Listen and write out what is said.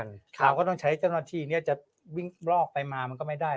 เราก็ต้องใช้เจ้าหน้าที่นี้จะวิ่งลอกไปมามันก็ไม่ได้